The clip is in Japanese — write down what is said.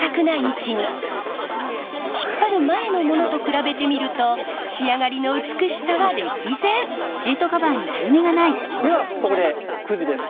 引っ張る前のものと比べてみると仕上がりの美しさは歴然！ではここでクイズです。